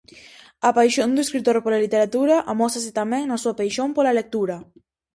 A paixón do escritor pola literatura amósase tamén na súa paixón pola lectura.